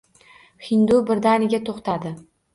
Hindu birdaniga toʻxtadi